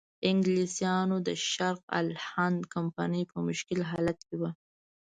انګلیسانو د شرق الهند کمپنۍ په مشکل حالت کې وه.